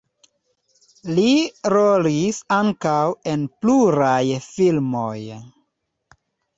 Li rolis ankaŭ en pluraj filmoj.